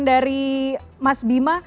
dari mas bima